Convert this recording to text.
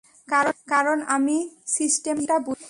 কারণ, আমি সিস্টেমটা বুঝি!